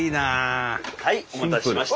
はいお待たせしました。